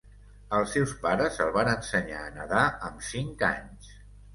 Els seus pares el van ensenyar a nedar amb cinc anys.